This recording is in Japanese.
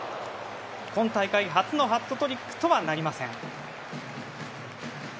今大会初のハットトリックとはなりません。